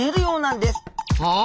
はあ？